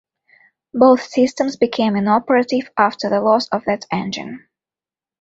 Both systems became inoperative after the loss of that engine.